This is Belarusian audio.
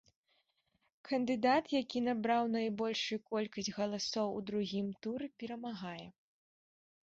Кандыдат, які набраў найбольшую колькасць галасоў у другім туры, перамагае.